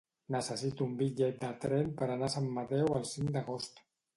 Necessito un bitllet de tren per anar a Sant Mateu el cinc d'agost.